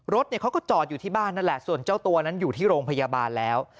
รถเขาก็จอดอยู่ที่บ้านนั่นแหละส่วนเจ้าตัวนั้นอยู่ที่โรงพยาบาลแล้ว